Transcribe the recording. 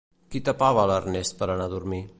Qui tapava a l'Ernest per anar a dormir?